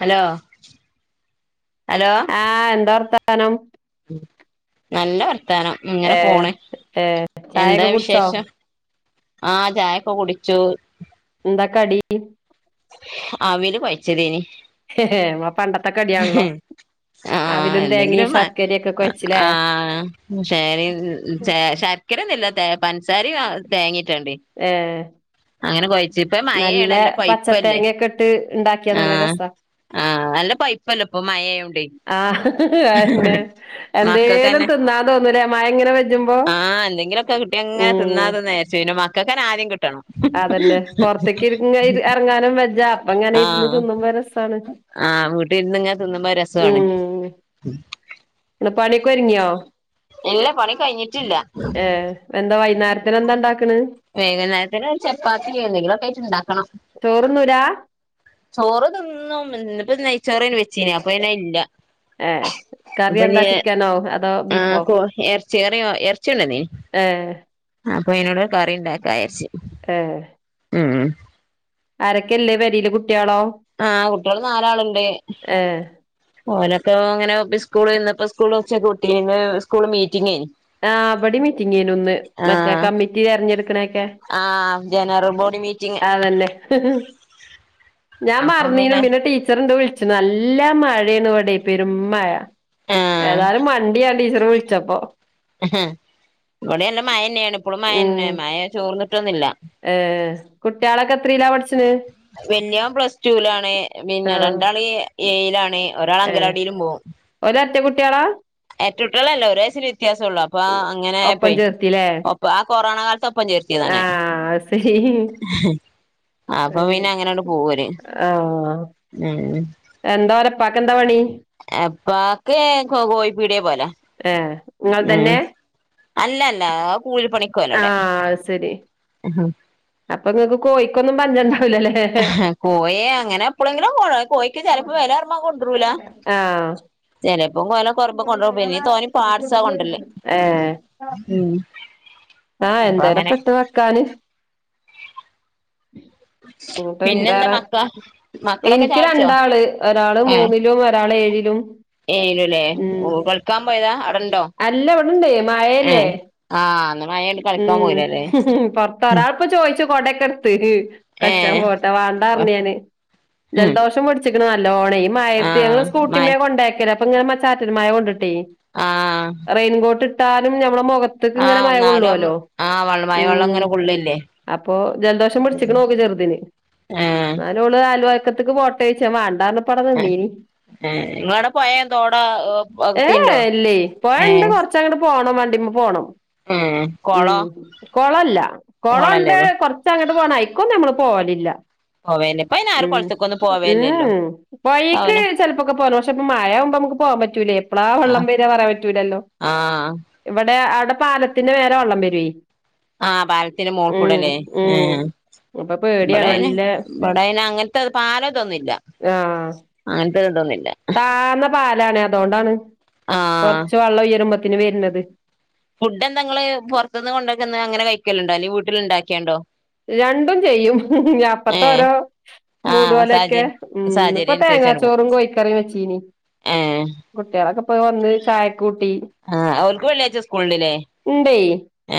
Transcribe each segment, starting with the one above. Hello hello ആഹ് എന്താ വർത്താനം ഉം നല്ല വർത്താനം ഇങ്ങനെ ഏ പോണ് ഏ ചായക്കെ കുടിച്ചോ ആഹ്ചായക്കെ കുടിച്ചു എന്താ കടി അ വല് കൊയച്ചതേനി ഹെ ഹെ പണ്ടത്തെ കടിയാണല്ലോ ആഹ് അവലും തേങ്ങി എന്തെങ്കിലും ശർക്കരിക്കെ കൊഴച്ചില്ലേ ശരി ശർക്കരൊന്നില്ല പഞ്ചസാരയും തേങ്ങയും ഇട്ടുണ്ട് ഏ അങ്ങനെ കൊഴച്ചു ഇപ്പ മയയണല്ലോ പൈപ്പല്ലേ പച്ചത്തേങ്ങൊക്കെ ഇട്ട് ഇണ്ടാക്കിയാ നല്ല ആഹ് രസാ ആഹ് നല്ല പൈപ്പല്ല പ്പം മഴയായോണ്ട് ആഹ് അതെന്നെ എന്തേലും മക്കക്ക്തന്നെ തിന്നാൻ തോന്നൂലേ മഴ ഇങ്ങനെ പെജുമ്പോ ആഹ് എന്തെങ്കിലുമൊക്കെ കിട്ടിയ അങ്ങെ ഉം തിന്നാതന്നരിച്ചു പിന്നെ മ മക്കക്ക് തന്നെ ആദ്യം കിട്ടണം അതന്നെ പുറത്തേക്ക് ഇ ഇറങ്ങാനും വെജ്ജാ അപ്പ ഇങ്ങനെ ഇരുന്നു ആഹ് തിന്നുമ്പം രസാണ് ആഹ് വീട്ടിൽന്ന് തിന്നുമ്പോ രസമാണ് ഉം ഇന്ന് പണിക്ക് ഒരുങ്ങിയോ ഇല്ല പണി കഴിഞ്ഞിട്ടില്ല ഏഹ് എന്താ വൈകുന്നേരത്തിന് എന്താ ഉണ്ടാക്കണ് വൈകുന്നേരത്തിന് ചപ്പാത്തിയോ എന്തെങ്കിലുമായിട്ട് ഒക്കെ ആയിട്ട് ഉണ്ടാക്കണം ചോറുണ്ണു ലാ ചോറ് തിന്നും ഇന്നിപ്പ നെയ്ച്ചോറന് വെച്ചീ നിഅപ്പൊ ഇനി ഇല്ല ഏ കറി അപ്പൊ എന്താ [unintelligible] ചിക്കനോ അതോ ആ ബീഫോ കൊ ഇറച്ചി കറിയോ ഇറച്ചികൊണ്ട് വന്നീനീ ഏ അപ്പൊ അതിനോട് കറി ഉണ്ടാക്കാ വിചാരിച്ചു ആഹ് ഉം [unintelligible] ആരൊക്കെല്ലേപെരയില് കുട്ടിയോളോ ആഹ്കുട്ടിയോള്നാലാളുണ്ട് ഓനൊക്കെ അങ്ങനെ സ്കൂള് ഇന്നപ്പോ സ്കൂള വെച്ച കുട്ടീ സ്കൂ മീറ്റിംഗ്ആയി ആ ബടി മീറ്റിങ്ങേനുന്ന് മറ്റേ കമ്മിറ്റി തെരഞ്ഞെടുക്കണൊക്കെ നറൽ ബോഡി മീറ്റിംങ്ങ് [unintelligible] ഞാൻ മറന്നീനു പിന്നെ ടീച്ചറിണ്ട് വിളി [unintelligible] നല്ല മഴേന്ന് വിടെ പെരും മഴ ആ ഏതായാലും മണ്ടി ഞാ ടീച്ചറ് വിളിച്ചപ്പോ [unintelligible] ഇവടീ നല്ല മഴന്നെണ് ഇപ്പോളും മഴ ഉം ന്നെ മയ ചോർന്നിട്ടൊന്നു ല്ല ഏ കുട്ടികളൊക്കെ എത്രലാ പഠിച്ചിന് വെല്യാൻ പ്ലസ്റ്റൂ ലാണ് ആ പിന്നെ രണ്ടാള് ഏയിലാണ് ഒരാള് അങ്കലാടിലും പോവും ഒരേര്റ്റ കുട്ട്യേളാ എരറ്റ ട്ടോള്ളല്ല ഒരയ്സിൻ്റ വ്യത്യാസം ഉള്ളൂ അപ്പ അങ്ങനെ ആയ് ഒപ്പം പോയി ചേർത്തിലേ ഒപ്പ ആ കൊറോണ കാലത്ത് ഒപ്പം ചേർത്ത്യ ആ അത് സെരി [unintelligible] അപ്പൊ പിന്നെ അങ്ങനട് പോവോല് ആ ഏ എന്താ ഒരേപ്പാക്ക് എന്താ പണി എപ്പാക്ക് കോ കോഴിപ്പീടി പോല ഏ ഇങ്ങൾ തന്നെ അല്ല അല്ല അഹ് കൂലിപ്പണിക്ക് പോവല ഔടെ ആഹ് അത് ശരി അപ്പൊ ങ്ങക്ക് കോഴിക്കൊന്നും പഞ്ചണ്ടാവൂലലെ കോയി അങ്ങനെ എപ്പളെങ്ങിലുംഒക്കെ കൊണ്ടേരും കോഴിക്ക് ചെലപ്പോ വെലെറൂമ്പം കൊണ്ടൊരുല ആഹ് ചെലപ്പം വെല കൊറമ്പ കൊണ്ടൊരു പിന്നീ തോനീ പാട്സാ കൊണ്ടര്ല് ഉം ആഹ അപ്പൊ അങ്ങനെ എന്തേലൊക്കെട്ട് വെക്കാാന് [unintelligible] പിന്നെന്താ വേറെ മക്ക മക്കളൊക്കെ ഇൻക്ക് ചായ കുടിച്ചോ രണ്ടാള് ഒരാള് മൂന്നിലും ഒരാള് ഏഴിലും ഏയില് ലെ ഉം കള്ക്കാൻ പോയതാ ഔടേണ്ടോ അല്ല ഇവിടെണ്ട് മഴല്ലേ ആഹ് ഇന്ന് മഴയായോണ്ട് കളിക്കാൻ ഉം പോയില്ലല്ലേ [unintelligible] [unintelligible] ചോയിിച്ചു കൊടക്കെട് ത്ത് ഏ കളിച്ചാ പോട്ടെ വാണ്ടാറ്ഞ്ഞ് ഞാന് ജലദോഷം പിടിച്ചിക്ക്ണ് നല്ലോണെ മയത്ത് ഞങ്ങള് ആഹ് സ്കൂട്ടി മഴ മേ കൊണ്ടാക്കല്ല അപ്പ ഇങ്ങെനെ മ ചാറ്റൽ മഴ കൊണ്ടിട്ടേ ആ ആ റെെയിൻകോട്ട് ട്ടാലും ഞമ്മളെ മുഖത്തക്ക് ഇങ്ങനെ ആഹ് മഴമള്ളു എന്നാലും ല്ലോ ആഹ് വെള്ള മഴ വെള്ളം ഉം ഇങ്ങനെ കൊള്ളില്ലേ അപ്പൊ ജലദോഷം പിടിച്ചിക്ക്ണ് ഓക്ക് ചെർതിന് ഏ ഏ ന്നാലും ഓള് അയൽവക്കത്ത്ക് പോട്ടെ യ്ച്ചാ വേണ്ടാന്ന് ഏ ഇങ്ങളോടെ പോയെ തോടോ [unintelligible] ച്ച ങ്ങട്ട് പോണം വണ്ടിമ്മെ പോണം ഏ ഉം കൊളോ കൊളല്ല കൊളണ്ട് കൊളല്ലേല്ലേ കൊറ് ച്ച അങ്ങട്ട് പോണം അയ്ക്കൊന്നും നമ്മള് പോവലില്ല പോവേല്ലെ ഇപ്പോ അയിന് ആരും കൊളത്തേക്കൊന്നും പോവല്ലല്ലോ പോഴേക്ക് ചെലപ്പോക്കെ പോക പക്ഷെ ഇപ്പം മഴ കുമ്പോ അമക്ക് പോവാൻ പറ്റൂലെ എപ്പളാ ആഹ് വെള്ളം വരാ പറയാൻ പറ്റൂ ആഹ് [unintelligible] ഇവടെ അടെ പാലത്തിന് മേലെ വെള്ളം വരൂ ആ പാലത്തിന്റെ മോൾക്കൂടല്ലേ ഏ ഉം അപ്പൊ പേടിയാ ഇവടെ അയിന് നല്ല ഇവിടെ അയിന് അങ്ങനത്തെ പാലം തൊന്നും ഇല്ല അ ആ അങ്ങനത്തെതോന്നുല്ലാ പാലാണ് അതോണ്ടാണ് ആഹ് കൊറച്ച് വെള്ളം ഉയരുമ്പത്തിന് വര് ന്നത് ഫുഡ് എന്തങ്ങള് പുറത്തു നിന്ന് കൊണ്ടോക്കുന്ന അങ്ങനെ കഴിക്കലുണ്ടോ അല്ലെങ്കി വീട്ടിലുണ്ടാക്കിയണ്ടോ രണ്ടും ചെയ്യും അപ്പത്ത ഏഹ് ഓരോ മൂടു ആഹ് പോലൊക്കെ സാഹചര്യം ഉം ഇന്നിപ്പൊ സാഹചര്യം അനുസരിച്ചാണ് പോവും തേങ്ങാച്ചോറും കോഴിക്കറിയും വെച്ചീനി ഏഹ് കുട്ടികളൊക്കെ പോയി വന്ന് ചായൊ കൂട്ടി ആ ഓൽക്ക് വെള്ളിയാഴ്ച്ച സ്കൂളിണ്ട്ല്ലേ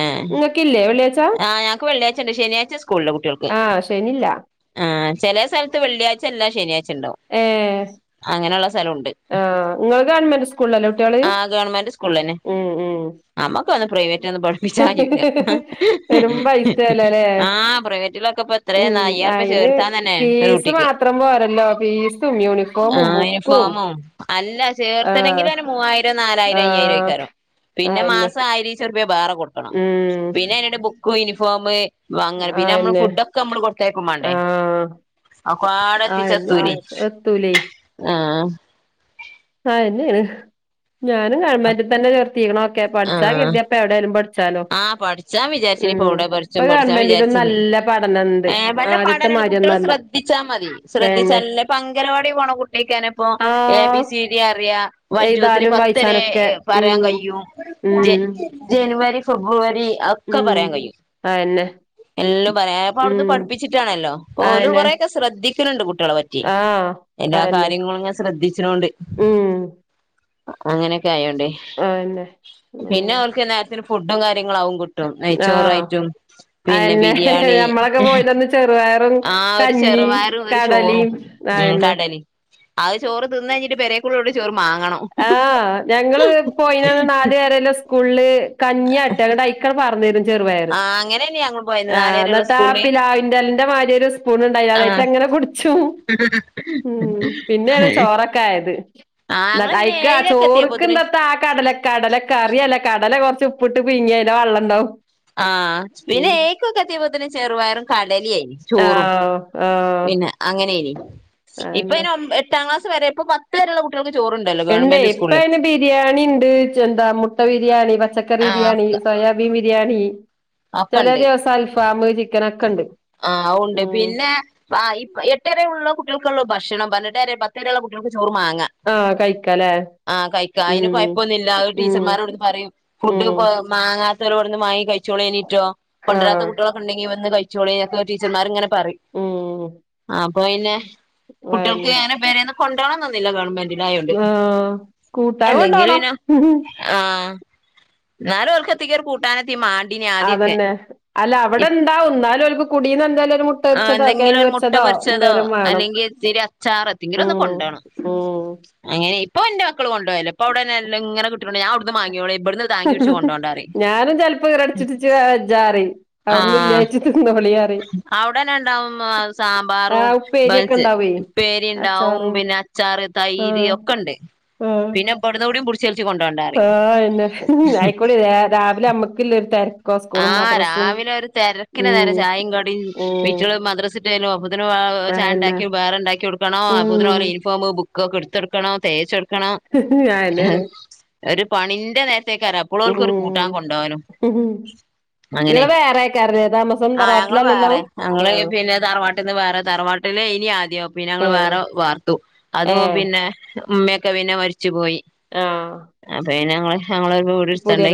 എ കില്ലേ ഒ ആ ഞങ്ങക്ക് വെള്ളിയാഴ്ച്ചണ്ട് ശനിയാഴ്ച സ്കൂളില്ല കുട്ടിൾക്ക്. ആ ശനില്ല. ആ ചില സ്ഥലത്ത് വെള്ളി ആഴ്ച ഇല്ല ശനിയാഴ്ച ഉണ്ടാവും. ഏ അങ്ങനെയുള്ള സ്ഥലമുണ്ട് ആ നിങ്ങൾ ഗവൺമെന്റ് സ്കൂളിലല്ലോ കുട്ടിള് ഉം ഉം. നമ്മുക്ക് ഒന്ന് പ്രൈവറ്റ് ഒന്നും പ പെരും [unintelligible] പൈസയാല്ലേ ആ പ്രൈവറ്റിലൊക്കെപ്പ എത്രന്നാ ഉം അയ്യായിരുർപ്യ അയിന് ചേർത്താൻ തന്നെ ഒരു ഫീസ് കുട്ടിക്ക്. മാത്രം പോരല്ലോ ഫീസും ആ യൂണിഫോമും ബുക്കും യൂണിഫോമും അല്ല ആഹ് ചേർത്തനെങ്കില- മൂവായിരം നാലായിരം അയ്യായിരം ആഹ് ആയിക്കേരം. പിന്നെ അയെന്നെ മാസം ആയിരിച്ചം രൂപ്പിയാ വേറെ കൊട്ക്കാ ഉം പിന്നെ [unintelligible] ബുക്ക് യൂണിഫോം വ അങ്ങനെ പിന്നെ നമ്മൾ അയെന്നെ ഫുഡ് ഒക്കെ നമ്മള് കൊടുത്തേക്കും മാണ്ടേ. ആഹ് ഒക്കപ്പാടെ എത്തിച്ചാ എത്തുലെ അയെന്നേണ് എത്തൂലേ ആഹ. അതെന്നെണ്. ഞാനും ഗവൺമെന്റ് തന്നെ ചേർത്തിക്ണോ ഒക്കെ ആ പഠിച്ചാ കരുതി അപ്പം എവിടെയായാലും പഠിച്ചാലോ. ആ പഠിച്ചാ വിചാരിച്ച ഉം ഓവുടെ ഇപ്പൊ പഠിച്ചും പഠിച്ചാം ഗവൺമെന്റിലും വിചാരിച്ച. നല്ല പഠനണ്ട് ഏ വല്ല ആദ്യത്തെ പാടണ് കുട്ടികൾ ശ്രദ്ധ മാരിയൊന്നല്ല ശ്രദ്ധിച്ചാ മതി. പിന്നെ ശ്രദ്ധിച്ചല്ലേ ഇപ്പോ അംഗനവാടി പോണ കുട്ടിക്കാനപ്പൊ A ah B C D അറിയ. വൺ ടു ത്രീ എഴുതാനും പത്ത് വരെ വായിച്ചാനൊക്കെ പറയാൻ ഉം കഴിയും ഉം എ- ജനുവരി ഫെബ്രുവരി [unintelligible] ക്കെ ഉം പറയാൻ കഴിയും. അയെന്നെ എല്ലാം പറയാ അപ്പ അവുട്ന്ന് ഉം പഠിപ്പിച്ചിട്ടാണല്ലോ ഓലും അയെന്നെ കൊറക്കെ ശ്ര ശ്രദ്ധിക്കണണ്ട് കുട്ടികളെ പറ്റി ആഹ് എല്ല അതെന്നെ കാര്യങ്ങളും ഇങ്ങനെ ശ്രദ്ധിച്ചണൊണ്ട്. ഉം അങ്ങനെയൊക്കെ ആയോണ്ടേ അതെന്നെ പിന്നെ അങ്ങനെ അവർക്ക് ഫുഡും കാര്യങ്ങളാവും കി ആഹ് നെയ്ച്ചോറായിട്ടും പിന്നെ അതെന്നെ ബിരിയാണി ഞമ്മളൊക്കെ പോയിനന്ന് ചെറുപയറും ആ ഒരു കഞ്ഞിയും ചെറുപയറും ഒരു ചോറും കടലിം ഉം അതെന്നെ കടലിം. അഹ് ചോറ് തിന്ന് കഴിഞ്ഞിട്ട് പേരെകുള്ളുടി ചോറ് വാങ്ങണം. ആ ഞങ്ങൾ പോയിന നാലു വരല്ലോ സ്കൂള് കഞ്ഞി ആട്ടെ ട്ടായിക്കണ്ട് പറന്നേരും ചെറുപയർ. ആഹ് അങ്ങനെന്നെ ഞങ്ങൾ പോയത്. ആ നാലേരെള്ള ന്നിട്ടാ ആ സ്കൂളില് പിലാവിന്റെ എലന്റെ മാതിരി ഒരു സ്പൂൺ ഉണ്ടായിന് അതായിട്ട് ആഹ് അങ്ങനെ കുട്ച്ചും. [unintelligible] ഉ പിന്നെയാണ് ചോറൊക്കെ ആയത്. ആഹ് ഞങ്ങള് പിന്നെ അയിക്ക ആ ഏഴിലൊക്കെ ചോറക്ക് എത്തിയപ്പോത്തിന് എന്ത്ത കടല കടല കറിയല്ല കടല കൊറച്ച് ഉപ്പിട്ട് പുഴിങ്ങിയന്റെ വള്ളം ണ്ടാവും. ആ പിന്നെ ഏഴികൊക്കെ എത്തിയപ്പോത്തിന് ചെറുപയറും കടല ആയി. ചോറും ആഹ് ആഹ് പിന്നെ അങ്ങനെ നി. അതെന്നെ ഇപ്പയിൻ [unintelligible] എട്ടാം ക്ലാസ് വരെ ഇപ്പ പ [unintelligible] കുട്ടികൾക്ക് ചോറ്. എന്നെ ഇപ്പം അയിന് ബിരിയാണിണ്ട്. എന്താ മുട്ട ബിരിയാണി പച്ചക്കറി ബിരിയാണി ആഹ് സോയാ മീൻ ബിരിയാണി ചെല ദിവസം അൽഫാമ്മ് ചി ആഹു ഉണ്ട് പിന്നെ. ആ ഇപ്പം എട്ടര ഉള്ള കുട്ടികക്കുള്ള ഭക്ഷണം പറഞ്ഞിട്ട്കാര്യ പത്തര ഉുള്ള കുട്ടികൾക്ക് ചോറ് മാങ്ങ. ആഹ് കഴിക്കാലേ ആ കഴിക്ക അതിന് ഉം കൊഴപ്പൊന്നുമില്ല അ ഉം ടീച്ചർമാരോടുന്ന് പറയും ഫുഡ് ഉം മാങ്ങാത്തവരോവിടുന്ന് മാങ്ങി കഴിച്ചോളി. എണിട്ടോ കൊണ്ടരാത്ത ആഹ് കുട്ടികൾ ഉണ്ടകിൽ ന്ന് കയിച്ചോളി ടീച്ചർമാർ ഇങ്ങനെ പറയും. ഉം ആ അപ്പൊ പിന്നെ കുട്ടികൾക്ക് അതെന്നെ അങ്ങനെ പേര ഒന്നും കൊണ്ടുപോണംന്നില്ല ഗവൺമെന്റ് തിനായണ്ട്. ആഹ് കൂട്ടാൻ കൊണ്ടോണം എല്ലാങ്കിലുംനോ ആഹ ന്നാലും ഓൾക്ക് [unintelligible] [inaudible] [unintelligible] അതന്നെ. അല്ല അവിടെ എന്താ എന്നാലുംക്ക് കുടീന്ന് എന്തായാലും ഒരു ആ പൊരിച്ചതോ എന്തെങ്കിലും കിഴങ്ങ് ഒരു മുട്ട പൊരിച്ചതോ എന്തേലും വേണം അല്ലെങ്കിൽത്തിരി അച്ചാറോ എന്തങ്കിലും ഒന്ന് ഉം കൊണ്ടുണം. ഉം അങ്ങനെ ഇപ്പോ എന്റെ മക്കൾ കൊണ്ടോവെല്ലിയ ഇപ്പം അവിടെല്ല ഇങ്ങനെ കിട്ടിനൊണ്ട് ഞാൻഅവുട്ന്ന് മങ്ങിയൊള്ളി ഇവിടുന്ന് താങ്ങി പിടിച്ച് കൊണ്ടോണ്ടാ പറയും ഞാനും ചിലപ്പോ ഇറടച്ചിട്ടച്ച് വെജാറിയും ആഹ അവിടന്നെ ഉണ്ടാവും സാമ്പാറും ആഹ് ഉപ്പേരിയൊക്കെ ഇണ്ടാവേ ഉപ്പേരി ഉണ്ടാവും അച്ചാറും പിന്നെ അച്ചാറ് തൈര് ഒക്കെ ഉണ്ട് ഓ പിന്നെ ഇവട്ന്നൂടി പുട്ചുൽച്ച് കൊണ്ടോവണ്ടേ ആഹ് എന്നന്നെ ആയിക്കോടി രാവിലെ അമ്മക്കില്ല ഒരു തരം ആഹ് രാവിലെ ഒരു തിരക്കിന നേരെ ഉം ചായയും കടിയും ഉം വീറ്റില് മദ്രസി അപ്പ ചാൻ അയെന്നെ ഉണ്ടാക്കി വേറെ ഉണ്ടാക്കി കൊടുക്കണം അപ്പത്തിനും ഉം ഓലെ യൂണിഫോം ഒക്കെ എടുത്തെടുക്കണോ തേച്ചെടു അയെന്നേണ് ഒരു പണിന്റെ നേരത്തേക്ക അപ്പോളും ഓല്ക്കൊരു കൂട്ടാ കൊണ്ടപകാനും ഉകൂ അങ്ങനെ ആ ഞങ്ങള് തറവാട്ടിലല്ലല്ലോ വേറെ ഞങ്ങള് ആഹ് പിന്നെ താറവാട്ടിൽ നിന്ന് വേറെ തറവാട്ട് ല്ലേ ഇനി ആദ്യം പിന്നെ ഞങ്ങൾ ഏഹ് വേറെ വാർത്തു അതോ ഏഹ് പിന്നെ ഉമ്മയൊക്കെ പിനെ മരിച്ചു പോയി ആഹ അപ്പൊ ഞങ്ങള് ഞങ്ങളരു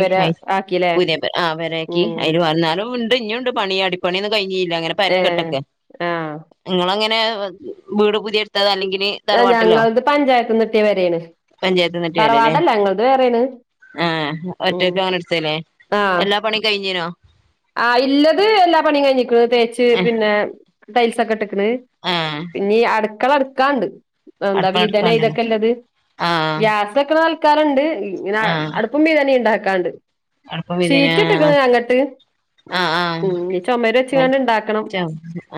പെര ആക്കിലേ ആ അവരക്കി ഉം അയില് പറഞ്ഞന്നാലും ഉണ്ട് ഇനിയുണ്ട് പണി അടിപ്പണിന്നും കഴിഞ്ഞഞ്ല്ല അങ്ങനെ ഏഹ് പരക്കെട്ടൊക്കെ ആഹ് നിങ്ങള അങ്ങനെ വീട് പുതിയെടുത്തത് അല്ലെങ്കിൽ ആ ഞങ്ങളത് പഞ്ചായത്തന്ന് ഇട്ടിയ വരാണ് തറവാടല്ല ഞങ്ങളത് വേറൊണ് ആഹ ഒറ്റക്ക അവന എടുത്തല്ലേ ആഹ് പണി കഴഞ്ഞ്ഞനോ ആ ഇല്ലത് എല്ലാ പണിയും കഴിഞ്ഞിക്കുന്നു തേച്ച് ഏഹ് പിന്നെ ടൈൽസൊക്കെ ഇട്ടക്കണ് ആഹ് പിന്നെ അടുക്കള അടുക്കാണ്ട് എന്താ അടുക്കള വിതന അടുക്കാണ്ടല്ലേ ഇതൊക്കെ ഉള്ളത് ആഹ് ഗ്യാസ് ഇക്കണ ആൾക്കാറുണ്ട് ഇങ്ങന ആഹ് അടുപ്പ മീ തന്നെ ഉണ്ടാക്കാണ്ട് ചീറ്റ ഇട്ടക്കണ അങ്ങോട്ട് ആഹ ആഹ ഇണ്ടാക്കണം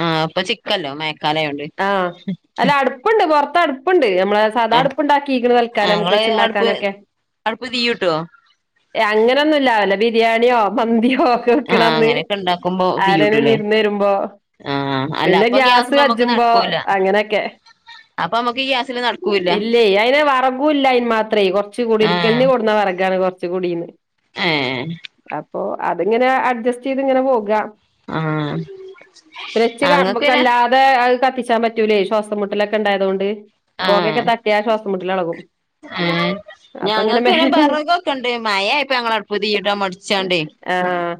ആ അപ്പൊ ചിക്കല്ലോ മഴക്കാലയോണ്ട് ആഹ് അല്ല അടുപ്പുണ്ട് പുറത്ത് അടുപ്പുണ്ട് നമ്മള സാദാ ആ അടുപ്പ ഉണ്ടാക്കിക്ക്ണ് തൽക്കാല നമുക്ക് ഞങ്ങള് വെച്ച അടുപ്പ് ഉണ്ടാക്കാനൊക്കെ അടുപ്പ് തീയൂട്ടോ അങ്ങനൊന്നുംല്ലാ വല്ല ബിരിയാണിയോ മന്തിയോ ആ നക്കണന്ന് അങ്ങനെയൊക്കെ ഉണ്ടാക്കുമ്പോ ആരനും തീയൂട്ടൂല്ലേ വിരുന്ന് വരുമ്പോ ആ അല്ല പിന്നെ അപ്പൊ ഗ്യാസ് കജുമ്പോ അങ്ങനെയൊക്കെ അപ്പ അമ്മക്കക്ക് ഗ്യാസില് നടക്കൂല്ല ഇല്ലേ അയിന് വറകും ഇല്ല അതിന് മാത്രമേ കുറച്ച കൂടി ആ ഇരിക്കലിന് കൂടുന്ന വർഗാണ് കുറച്ച കൂടിന്ന് ഏ അപ്പൊ അതിങ്ങനെ അഡ്ജസ്റ്റ് ചെയ്ത് ഇങ്ങനെ പോകാം ആ ച്ച ഞങ്ങക്ക് പിന്നെ കമ്പക്കല്ലാ അത അത് കത്തിച്ചാൻ പറ്റൂലേ ശ്വാസം മുട്ടലൊക്കെ ഉണ്ടായതുകൊണ്ട് പോകയൊക്കെ തട്ടിയാ ശ്വാസം മുട്ടിലിളകും ആം ഞങ്ങൾക്ക് ഇന്നെ ബറകൊക്കെ ഇണ്ട് മയ ആപ്പോ ഞങ്ങ അടുപ്പുതി ഇടാ മടിച്ചോണ്ട് ആഹ്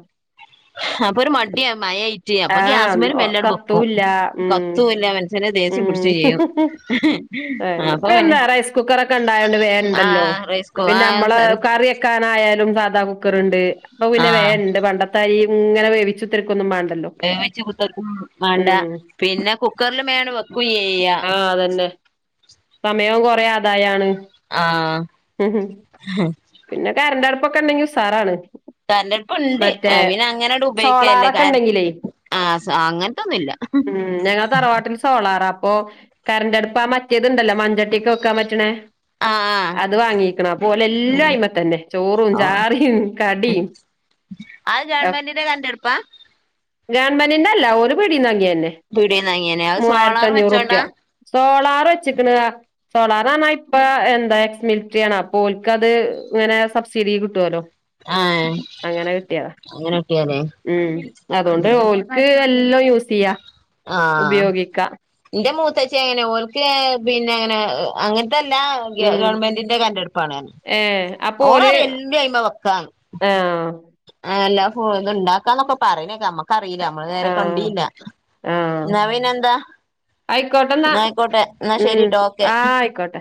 അപ്പൊ ഒരു മഡിയ മഴയായി അപ്പൊ ആഹ് ഗ്യാസ്മേനും മെല്ലട് വെക്കും കത്തൂല്ല ഉം കത്തുല്ല മനുഷ്യന് ദേഷ്യം പിടിച്ചും ചെയ്യും ഉ അ ഇപ്പ എന്താ റൈസ് കുക്കറെക്കെ ഉണ്ടായതോണ്ട് വേണ്ടണ്ടല്ലോ ആഹ് റൈസ് കു പിന്നെ ആ നമ്മള് സോറി കറിയക്കാനാലും സാധാ കുക്കറണ്ട് അ പിന്നെ ആഹ് വേണ്ട് പണ്ട രി ഇങ്ങനെ വേവിച്ച തിരക്കൊന്നും വേണ്ടല്ലോ വേവിച്ച് കുത്തർക്കും വേണ്ട ഉം പിന്നെ കുക്കറൽ മേണ് വെക്കും ചെയ്യ അ തന്നെ സമയം കൊറേ ആദായാണ്. ആഹ് പിന്നെ കരന്റ ട്പ്പൊക്കെണ്ടെങ്കി ഉസാറാണ്. കരൻ്റട്പ്പുണ്ട്, മറ്റേ അപിന്നെ അങ്ങനട് ഉപയോക്കേല്ല സോളാറൊക്കെ കാര് ഉണ്ടെങ്കിലേ ആ സാ അങ്ങൻ- ഉം ഞങ്ങള തറവാട്ടിൽ സോളാറ അപ്പൊ. കരൻ്റട്പ്പാ മറ്റേത്ണ്ടല്ലോ മഞ്ചട്ടിക്ക് വെക്കാ പറ്റണേ. ആഹ് അത് വാങ്ങിക്ണ് അപ്പോലെല്ലു അയ്മതന്നെ ചോറും ചാറിയും കടിം. അവ് ഗവൺമെൻ്റിൻ്റെ കര്ൻ്റട്പ്പാ? ഗവൺമെന്റിന്റല്ല ഓല് പിടീന്നാങ്ങ്യ ന്നെ. പീടീന്നാങ്ങ്യനെ അവ്സോളാർ വെച്ചോണ്ടാ? സോളാറെച്ച്ക്ണ. സോളാറാർണ ഇപ്പ എന്താ എക്സ് മിൽട്രി ആണ്, അപ്പോൽക്കത് ങ്ങനെ സബ്സിഡി കിട്ടോലോ. ആഹ് അങ്ങനെ കിട്ട്യത അങ്ങനെ കിട്ടിയാലേ ഉം. തോണ്ട് ഓൽക്ക് എല്ലു യൂസെയ്യാ. ആഹ്. ന്റെ മൂത്തച്ച്യങ്ങനെ ഓൽക്ക് ഏ പിന്നെ ങ്ങനെ അങ്ങൻത്തല്ലാ. ഗ്യ ഉം ഗവൺമെന്റിന്റെ കര്ൻ്റട്പ്പാണ്. ഏഹ് അപ്പൊ ഓല് ഓളറി എല്ലു അയ്മ വക്കാന്ന്. ആഹ് അങ്ങല്ലാ ഫു ഇതുണ്ടാക്കാന്നൊക്കെ പറിണേക്ക അമ്മക് കറീല അമ്മള് നേരെ ആഹ് കണീല്ല, ആഹ് ന്നാ പിന്നെന്താ? ആയിക്കോട്ടെന്നാ ന്നായ്ക്കോട്ടെ ന്നാ ഉം ശരിട്ടോ ഒ ക്കെ. ആഹ് ആയിക്കോട്ടെ